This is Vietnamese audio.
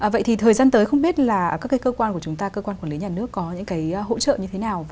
vậy thì thời gian tới không biết là các cái cơ quan của chúng ta cơ quan quản lý nhà nước có những cái hỗ trợ như thế nào